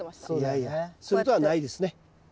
いやいやそういうことはないですね。